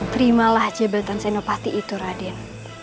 terimalah jabatan senopati itu raden